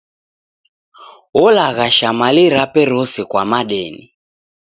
Olaghasha mali rape rose kwa madeni.